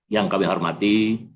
yang kami hormati